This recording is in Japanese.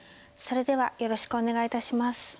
それではよろしくお願い致します。